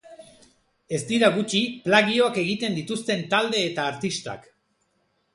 Ez dira gutxi plagioak egiten dituzten talde eta artistak.